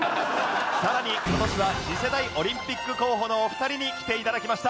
さらに今年は次世代オリンピック候補のお二人に来て頂きました。